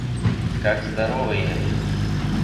Как здоровые!